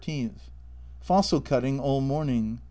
Fossil cutting all morning.